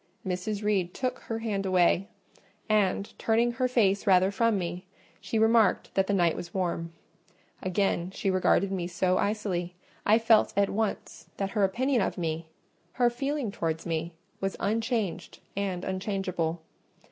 Mrs. Reed took her hand away, and, turning her face rather from me, she remarked that the night was warm. Again she regarded me so icily, I felt at once that her opinion of me—her feeling towards me—was unchanged and unchangeable.